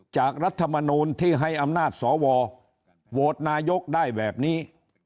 รัฐมนูลที่ให้อำนาจสวโหวตนายกได้แบบนี้